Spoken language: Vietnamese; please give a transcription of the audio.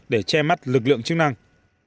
để che mắt lực lượng chức năng